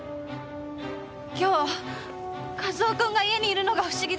今日和夫君が家にいるのが不思議でした。